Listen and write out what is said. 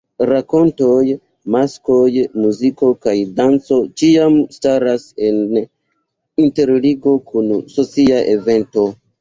Rakontoj, maskoj, muziko kaj danco ĉiam staras en interligo kun socia evento.